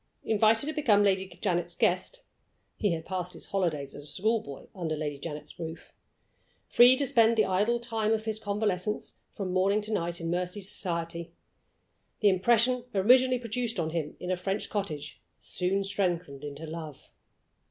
Invited to become Lady Janet's guest (he had passed his holidays as a school boy under Lady Janet's roof) free to spend the idle time of his convalescence from morning to night in Mercy's society the impression originally produced on him in a French cottage soon strengthened into love.